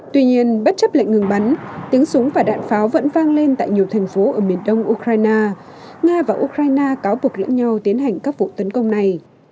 tuy nhiên bất chấp lệnh ngừng bắn tiếng súng và đạn pháo vẫn vang lên tại nhiều thành phố ở miền đông ukraine nga và ukraine cáo buộc lẫn nhau tiến hành các vụ tấn công này